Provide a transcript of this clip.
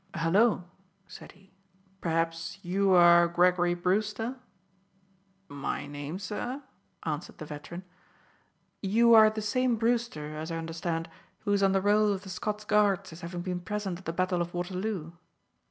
"Hullo!" said he; "perhaps you are Gregory Brewster?" "My name, sir," answered the veteran. "You are the same Brewster, as I understand, who is on the roll of the Scots Guards as having been present at the battle of Waterloo?"